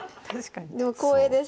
光栄です